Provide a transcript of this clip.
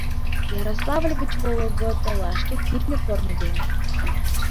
Ярославль гыч Вологод олашке — кӱртньӧ корно дене.